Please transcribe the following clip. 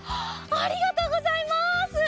ありがとうございます！